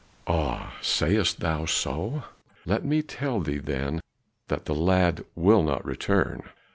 "Ah, sayest thou so? Let me tell thee then that the lad will not return.